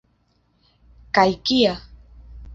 Kaj kia!